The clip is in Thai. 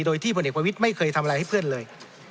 โดยที่พลเอกประวิทย์ไม่เคยทำอะไรให้เพื่อนเลย